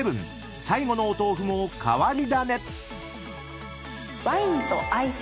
最後のお豆腐も変わり種］